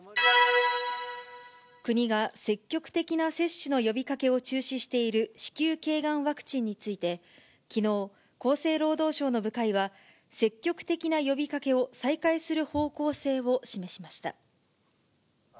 国が積極的な接種の呼びかけを中止している子宮けいがんワクチンについて、きのう、厚生労働省の部会は積極的な呼びかけを再開する方向性を示しました。